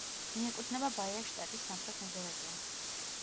მიეკუთვნება ბაიას შტატის სამხრეთ მეზორეგიონს.